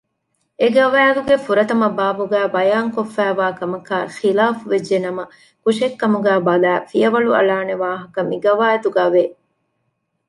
އެގަވައިދުގެ ފުރަތަމަ ބާބުގައި ބަޔާންކޮށްފައިވާ ކަމަކާއި ޚިލާފުވެއްޖެނަމަ ކުށެއްކަމުގައި ބަލައި ފިޔަވަޅު އަޅާނެ ވާހަކަ މިގަވައިދުގައި ވެ